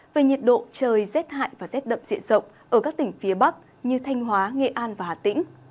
về nhiệt độ trời z hại và z đậm diễn rộng ở các tỉnh phía bắc như thanh hóa nghệ an và hà tĩnh